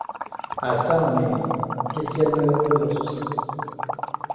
Ah çà, mais! qu’est-ce qu’il y a de malheureux dans ceci?